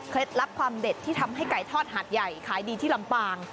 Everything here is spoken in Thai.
ลับความเด็ดที่ทำให้ไก่ทอดหาดใหญ่ขายดีที่ลำปาง